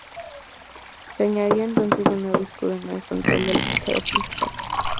Se añadió entonces un nuevo escudo en el frontal de la fachada principal.